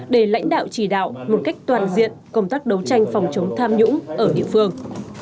để lãnh đạo chỉ đạo một cách toàn diện công tác đấu tranh phòng chống tham nhũng ở địa phương